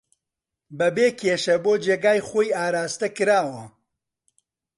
بەبێ کێشە بۆ جێگای خۆی ئاراستەکراوە